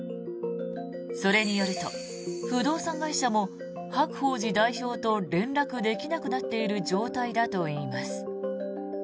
それによると不動産会社も白鳳寺代表と連絡できなくなっている状態だといいます。